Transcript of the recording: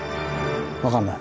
分かんない。